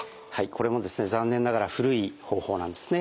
これもですね残念ながら古い方法なんですね。